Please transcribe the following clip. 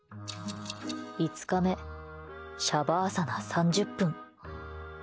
５日目、シャバーサナ３０分。